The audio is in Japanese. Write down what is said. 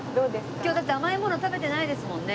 今日だって甘いもの食べてないですもんね。